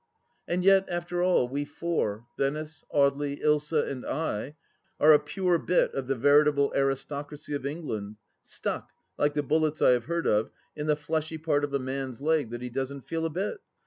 And yet, after all, we four — Venice, Audely, Ilsa, and I — are a pure bit of the veritable aristocracy of England, stuck — ^like the bullets I have heard of, in the fleshy part of a man's leg that he doesn't feel a bit